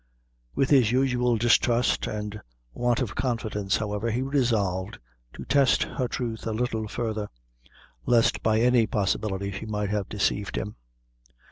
With his usual distrust and want of confidence, however, he resolved to test her truth a little further, lest by any possibility she might have deceived him.